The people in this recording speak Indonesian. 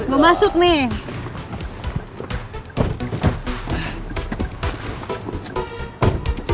gue masuk nih